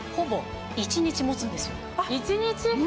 １日。